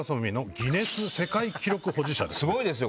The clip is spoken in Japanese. すごいですよ